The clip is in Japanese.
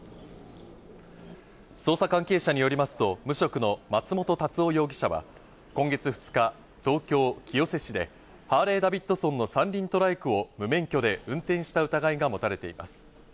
捜査関係者によりますと無職の松本辰雄容疑者は今月２日、東京・清瀬市で、ハーレーダビッドソンの３輪トライクを無免許で運転した疑いが持たれています。